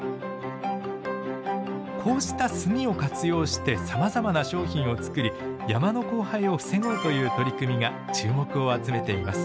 こうした炭を活用してさまざまな商品を作り山の荒廃を防ごうという取り組みが注目を集めています。